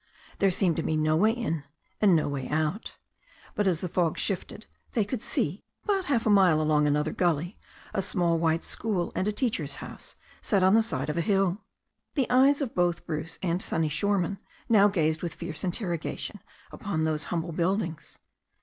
There seemed to be no way in and no way 9 10 THE STORY OF A NEW ZEALAND RIVER out. But as the fog shifted they could see, about half a mile along another gully, a small white school and teacher's house, set on the side of a hill. The eyes of both Bruce and Sonny Shoreman now gazed with fierce interrogation upon those humble buildings.